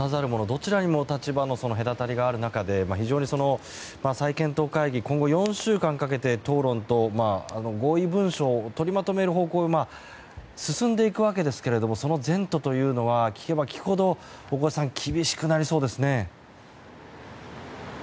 どちらにも立場の隔たりがある中で再検討会議、今後４週間かけて討論と合意文書を取りまとめる方向に進んでいくわけですがその前途は聞けば聞くほど、大越さん厳しくなりそうですね。